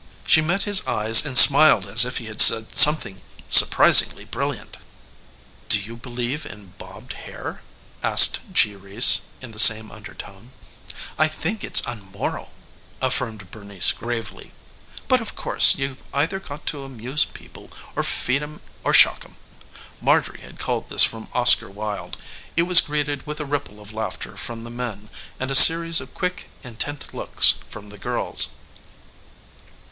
She met his eyes and smiled as if he had said something surprisingly brilliant. "Do you believe in bobbed hair?" asked G. Reece in the same undertone. "I think it's unmoral," affirmed Bernice gravely. "But, of course, you've either got to amuse people or feed 'em or shock 'em." Marjorie had culled this from Oscar Wilde. It was greeted with a ripple of laughter from the men and a series of quick, intent looks from the girls.